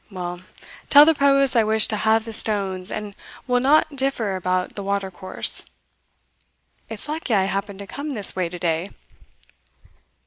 Well, tell the provost I wish to have the stones, and we'll not differ about the water course. It's lucky I happened to come this way to day."